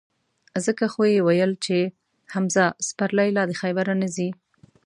ځکه خو یې ویل چې: حمزه سپرلی لا د خیبره نه ځي.